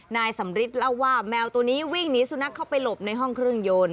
นายสำริทเล่าว่าแมวตัวนี้วิ่งหนีสุนัขเข้าไปหลบในห้องเครื่องยนต์